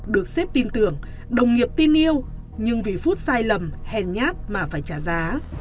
được xếp tin tưởng đồng nghiệp tin yêu nhưng vì phút sai lầm hèn nhát mà phải trả giá